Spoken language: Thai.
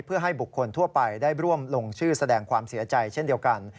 เพื่อให้บุคคลทั่วไปได้ร่วมลงชื่อแสดงความเสียใจเช่นเดียวกัน